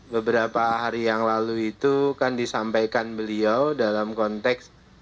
beberapa hari yang lalu itu kan disampaikan beliau dalam konteks